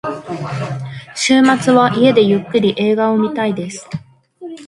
週末は家でゆっくり映画を見たいです。